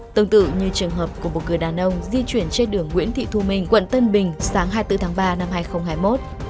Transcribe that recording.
tương tự như trường hợp của một người đàn ông di chuyển trên đường nguyễn thị thu minh quận tân bình sáng hai mươi bốn tháng ba năm hai nghìn hai mươi một